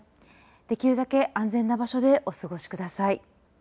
できるだけ安全な場所でお過ごしください。